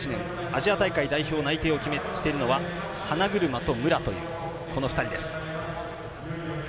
アジア大会代表内定をしているのは花車と武良という２人です。